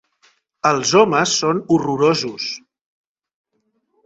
Els homes són horrorosos.